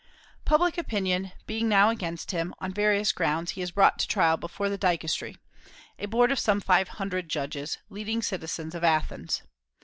Public opinion being now against him, on various grounds he is brought to trial before the Dikastery, a board of some five hundred judges, leading citizens of Athens.